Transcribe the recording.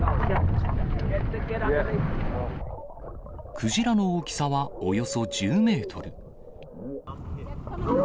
クジラの大きさはおよそ１０メートル。